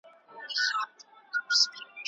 عشقي خبرې شفاهي ادب دي.